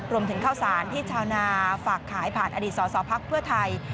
รวมถึงข้าวสารที่ชาวนาฝากขายผ่านอดีตสอสอภักดิ์เพื่อไทย